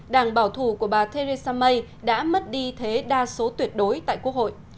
đảng bảo thủ của bà theresa may đã mất đi thế đa số tuyệt đối tại quốc hội